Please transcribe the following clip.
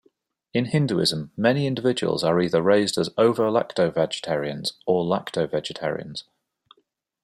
In Hinduism, many individuals are either raised as ovo-lacto vegetarians or lacto vegetarians.